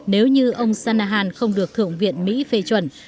nếu như ông sanahan không được thượng viện mỹ phê chuẩn